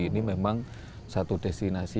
ini memang satu destinasi